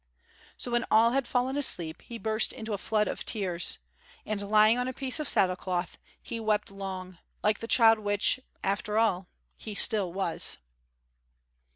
So when all had fallen asleep he burst into a flood of tears, and, lying on a piece of saddle cloth, he wept long, like the child which, after all, he still was.